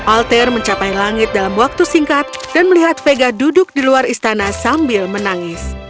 alter mencapai langit dalam waktu singkat dan melihat vega duduk di luar istana sambil menangis